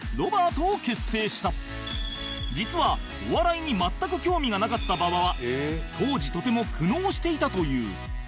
実はお笑いに全く興味がなかった馬場は当時とても苦悩していたという